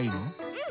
うん。